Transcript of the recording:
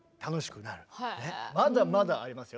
まだまだありますよ。